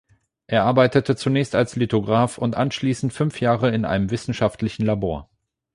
Er arbeitete zunächst als Lithograf und anschließend fünf Jahre in einem wissenschaftlichen Labor.